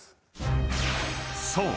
［そう。